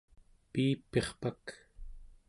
piipirpak